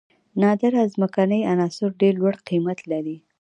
نادره ځمکنۍ عناصر ډیر لوړ قیمت لري.